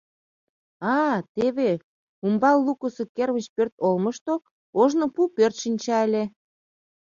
А-а, теве умбал лукысо кермыч пӧрт олмышто ожно пу пӧрт шинча ыле.